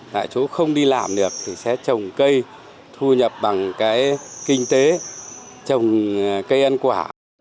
tại chỗ không đi làm được thì sẽ trồng cây thu nhập bằng cái kinh tế trồng cây ăn quả